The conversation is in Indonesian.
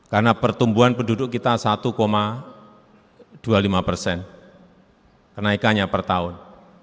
karena pertumbuhan penduduk kita satu dua puluh lima persen kenaikannya per tahun